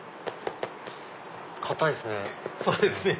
硬いですね。